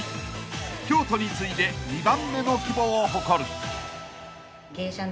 ［京都に次いで２番目の規模を誇る］